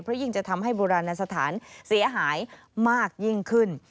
เพราะยิ่งจะทำให้โบราณสถานเสียหายมากยิ่งขึ้น